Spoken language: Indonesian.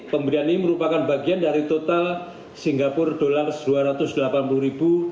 pemberian ini merupakan bagian dari total sgd rp dua ratus delapan puluh ribu